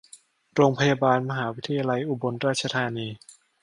โรงพยาบาลมหาวิทยาลัยอุบลราชธานี